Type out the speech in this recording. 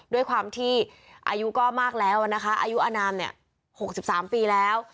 ด้วยความที่อายุก็มากแล้วนะคะอายุอนาม๖๓ปีแล้ว